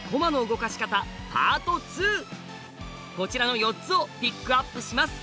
こちらの４つをピックアップします！